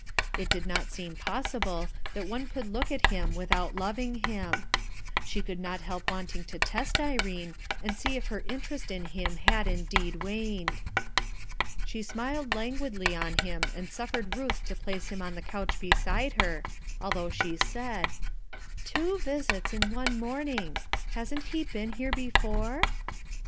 It did not seem possible that one could look at him without loving him. She could not help wanting to test Irene and see if her interest in him had indeed waned. She smiled languidly on him, and suffered Ruth to place him on the couch beside her. although she said :— "Two visits in one morning ! Hasn't he been here before?"